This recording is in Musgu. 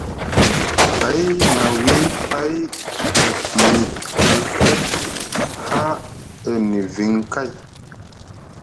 Day na wii pay e piyi alket haa e niviŋ kay.